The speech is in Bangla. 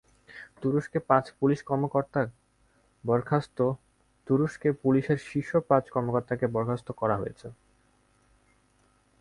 তুরস্কে পাঁচ পুলিশ কর্মকর্তা বরখাস্ততুরস্কে পুলিশের শীর্ষ পাঁচ কর্মকর্তাকে বরখাস্ত করা হয়েছে।